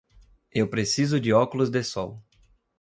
Eu preciso de óculos de sol.